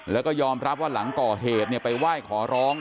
แล้วก็ยอมรับว่าหลังก่อเหตุไปไหว้ขอร้อง